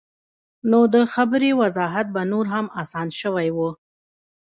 نو د خبرې وضاحت به نور هم اسان شوے وۀ -